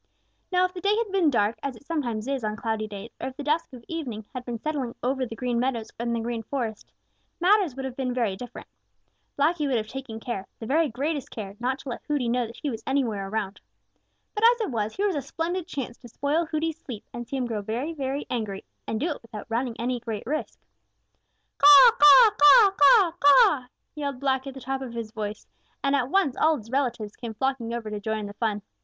Now if the day had been dark, as it sometimes is on cloudy days, or if the dusk of evening had been settling over the Green Meadows and the Green Forest, matters would have been very different. Blacky would have taken care, the very greatest care, not to let Hooty know that he was anywhere around. But as it was, here was a splendid chance to spoil Hooty's sleep and to see him grow very, very angry and do it without running any great risk. "Caw, caw, caw, caw, caw!" yelled Blacky at the top of his voice, and at once all his relatives came flocking over to join in the fun.